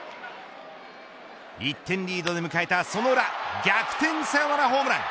１点リードで迎えたその裏逆転サヨナラホームラン。